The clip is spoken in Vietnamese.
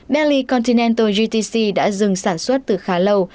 bentley continental gtc đã dừng sản xuất từ khá lâu